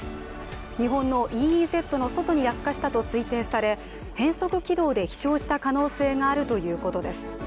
日本のＥＥＺの外に落下したと推定され、変則軌道で飛しょうした可能性があるということです。